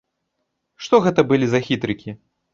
Што гэта былі за хітрыкі?